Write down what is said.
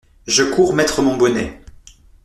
Je cours mettre mon bonnet.